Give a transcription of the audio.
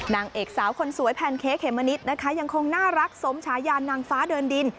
นางเอกสาวคนสวยแพนเค้กเขมมะนิดนะคะยังคงน่ารักสมชายานนางฟ้าเดินดิน